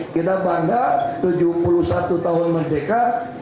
kita bangga tujuh puluh satu tahun merdeka